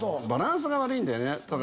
バランスが悪いんだよね。